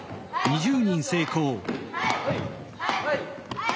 はい！